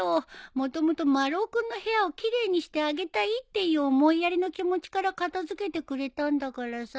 もともと丸尾君の部屋を奇麗にしてあげたいっていう思いやりの気持ちから片付けてくれたんだからさ。